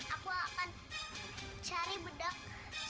aku akan marah